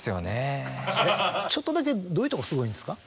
ちょっとだけどういうとこがすごいんですか？